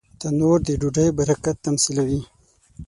تنور د ډوډۍ برکت تمثیلوي